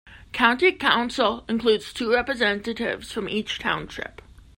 County Council includes two representatives from each township.